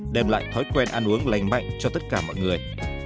đem lại thói quen ăn uống lành mạnh cho tất cả mọi người